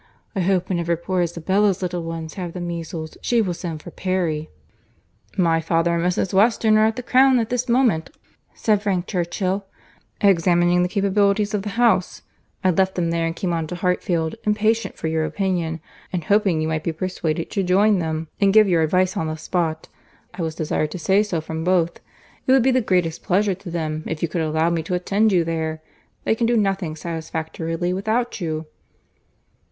I hope whenever poor Isabella's little ones have the measles, she will send for Perry." "My father and Mrs. Weston are at the Crown at this moment," said Frank Churchill, "examining the capabilities of the house. I left them there and came on to Hartfield, impatient for your opinion, and hoping you might be persuaded to join them and give your advice on the spot. I was desired to say so from both. It would be the greatest pleasure to them, if you could allow me to attend you there. They can do nothing satisfactorily without you."